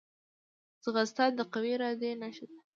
ځغاسته د قوي ارادې نښه ده